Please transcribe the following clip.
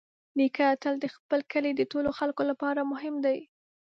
نیکه تل د خپل کلي د ټولو خلکو لپاره مهم دی.